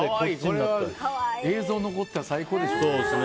映像が残ってたら最高でしょうね。